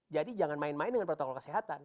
jadi jangan main main dengan protokol kesehatan